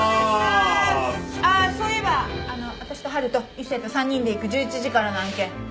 ああそういえば私と春と一星と３人で行く１１時からの案件